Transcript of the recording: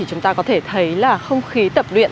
chúng ta có thể thấy là không khí tập luyện